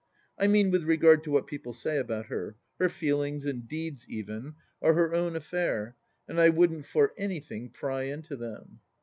I mean with regard to what people say about her ; her feelings, and deeds even, are her ov/n affair, and I wouldn't for anything pry into them.